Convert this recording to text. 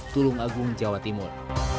tulung agung jawa timur